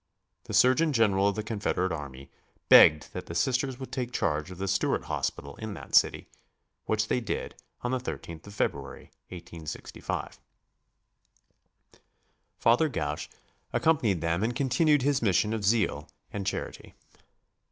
The surgeon general of the Confederate army begged that the Sisters would take charge of the Stuart Hospital in that city, which they did on the 13th of February, 1865. Father Gache accompanied them and continued his mission of zeal and charity.